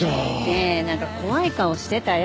ねえなんか怖い顔してたよ。